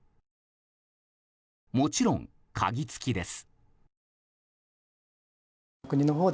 もちろん鍵付きです。